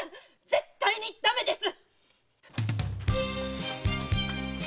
絶対にダメです！